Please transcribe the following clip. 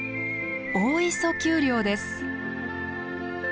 大磯丘陵です。